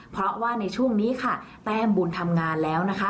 เพราะว่าในช่วงนี้ค่ะแต้มบุญทำงานแล้วนะคะ